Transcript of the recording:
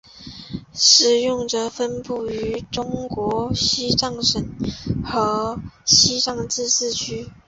使用者分布于中国四川省和西藏自治区。